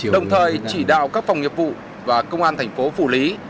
đồng thời chỉ đạo các phòng nghiệp vụ và công an thành phố phủ lý